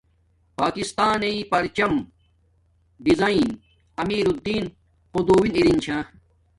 پاکستانی پرچامیݵ ڈیذاین امیرلدین قدوݵ ارین چھا